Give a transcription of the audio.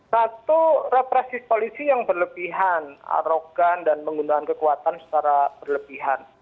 satu represif polisi yang berlebihan arogan dan menggunakan kekuatan secara berlebihan